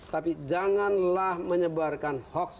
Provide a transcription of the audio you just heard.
tapi janganlah menyebarkan hoax